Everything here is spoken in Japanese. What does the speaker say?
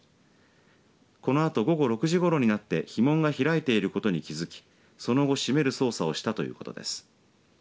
このあと、午後６時ごろになってひ門が開いてることに気づきその後、閉める操作をしたということです。